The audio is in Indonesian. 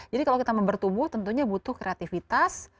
jadi kalau kita mau bertubuh tentunya butuh kreativitas